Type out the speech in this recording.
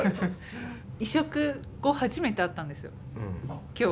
移植後初めて会ったんですよ今日。